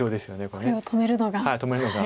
これを止めるのが。